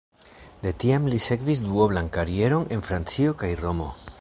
De tiam li sekvis duoblan karieron en Francio kaj Romo.